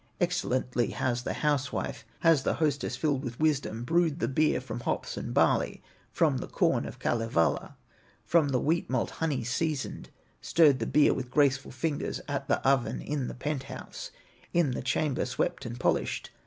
Excellently has the housewife, Has the hostess filled with wisdom, Brewed the beer from hops and barley, From the corn of Kalevala, From the wheat malt honey seasoned, Stirred the beer with graceful fingers, At the oven in the penthouse, In the chamber swept and polished.